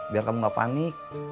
biar kamu gak panik